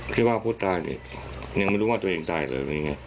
คิดว่าผู้ตายยังไม่รู้ว่าตัวเองตายหรือไง